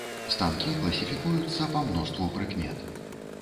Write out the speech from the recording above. Станкі класіфікуюцца па мноству прыкмет.